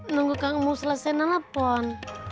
nunggu kang mus selesai telepon